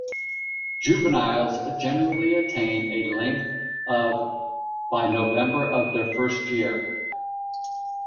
Juveniles generally attain a length of by November of their first year.